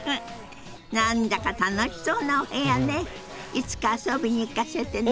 いつか遊びに行かせてね。